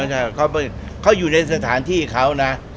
โอ้ยไม่ใช่ไม่ใช่เขาไปเขาอยู่ในสถานที่เขานะ